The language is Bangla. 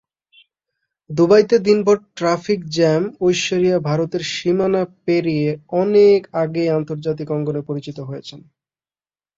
দুবাইতে দিনভর ট্রাফিক জ্যামঐশ্বরিয়া ভারতের সীমানা পেরিয়ে অনেক আগেই আন্তর্জাতিক অঙ্গনে পরিচিতি পেয়েছেন।